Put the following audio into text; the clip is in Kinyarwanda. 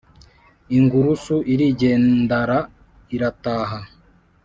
ingurusu irigendara irataha